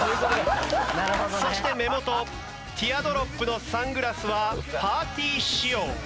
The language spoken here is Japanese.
そして目元ティアドロップのサングラスはパーティー仕様。